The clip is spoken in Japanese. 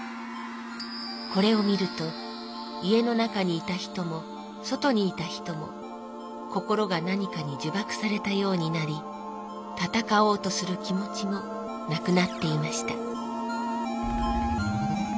これを見ると家の中にいた人も外にいた人も心が何かにじゅばくされたようになり戦おうとする気もちもなくなっていました」。